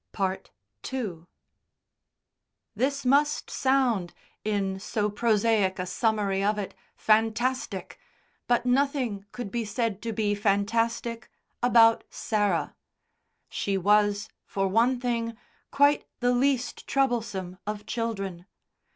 II This must sound, in so prosaic a summary of it, fantastic, but nothing could be said to be fantastic about Sarah. She was, for one thing, quite the least troublesome of children.